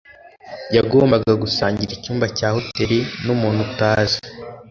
Yagombaga gusangira icyumba cya hoteri n’umuntu utazi.